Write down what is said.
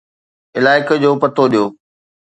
علائقي جو پتو ڏيو